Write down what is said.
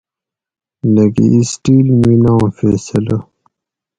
لکہ اسٹیل ملاں فیصلہ